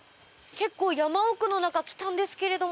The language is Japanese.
結構山奥の中来たんですけれども。